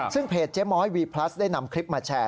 ซึ่งเพจเจ๊ม้อยวีพลัสได้นำคลิปมาแชร์